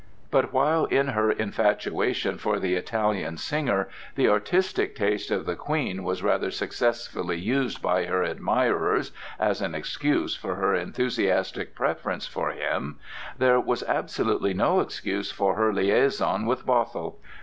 But while in her infatuation for the Italian singer the artistic taste of the Queen was rather successfully used by her admirers as an excuse for her enthusiastic preference for him, there was absolutely no excuse for her liaison with Bothwell.